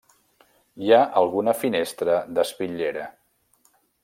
Hi ha alguna finestra d'espitllera.